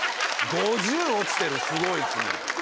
落ちてるすごいっすね。